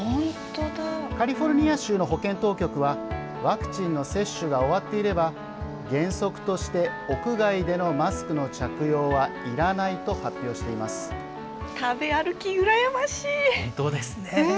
カリフォルニア州の保健当局はワクチンの接種が終わっていれば原則として屋外でのマスクの着用は食べ歩き、羨ましい。